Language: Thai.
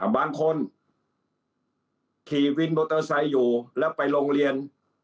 บางคนขี่วินมอเตอร์ไซค์อยู่แล้วไปโรงเรียน